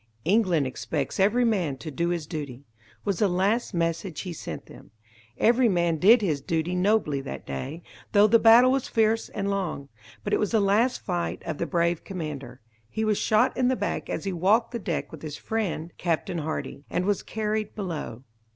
"England expects every man to do his duty" was the last message he sent them. Every man did his duty nobly that day, though the battle was fierce and long; but it was the last fight of the brave commander. He was shot in the back as he walked the deck with his friend Captain Hardy, and was carried below.